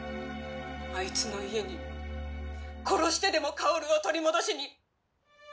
あいつの家に殺してでも薫を取り戻しに。